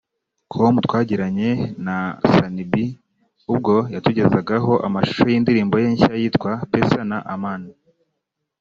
com twagiranye na Sunny B ubwo yatugezagaho amashusho y’indirimbo ye nshya yitwa “Pesa na Amani”